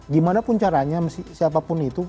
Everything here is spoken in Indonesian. gimana pun caranya siapapun itu